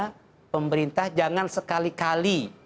karena pemerintah jangan sekali kali